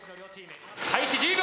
開始１０秒。